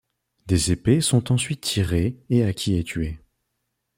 Des épées sont ensuite tirées et Aki est tué.